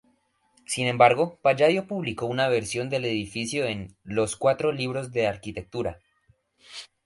Sin embargo, Palladio publicó una versión del edificio en "Los cuatro libros de arquitectura".